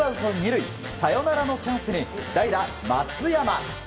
２塁サヨナラのチャンスに代打、松山。